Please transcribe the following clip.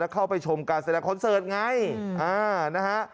เข้าไปชมการแสดงคอนเสิร์ตไงนะฮะ